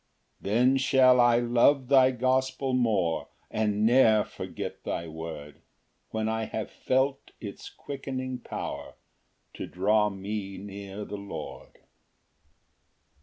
6 Then shall I love thy gospel more, And ne'er forget thy word, When I have felt its quickening power To draw me near the Lord.